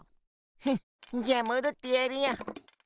ふんじゃあもどってやるよ。